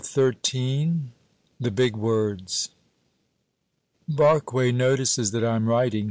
XIII The Big Words BARQUE notices that I am writing.